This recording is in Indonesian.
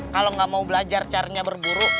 kalau nggak mau belajar caranya berburu